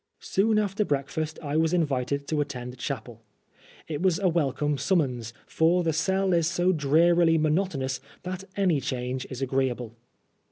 Soon after breakfast I was invited to attend chapel. It was a welcome summons, for the cell is so drearily monotonous that any change is agreeable.